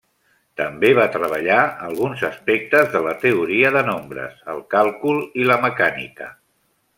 També va treballar alguns aspectes de la teoria de nombres, el càlcul i la mecànica.